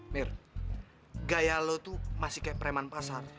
mir gaya lo tuh masih kayak preman pasar